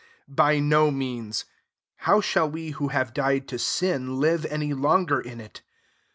2 By no means. How shall we, who have died to sin, live any longer in it